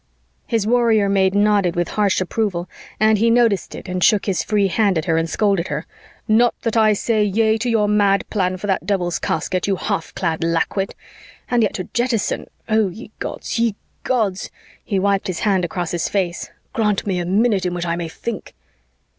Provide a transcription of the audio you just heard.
His warrior maid nodded with harsh approval and he noticed it and shook his free hand at her and scolded her, "Not that I say yea to your mad plan for that Devil's casket, you half clad lackwit. And yet to jettison.... Oh, ye gods, ye gods " he wiped his hand across his face "grant me a minute in which I may think!"